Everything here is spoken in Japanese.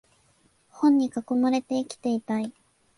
本に囲まれて生きていたい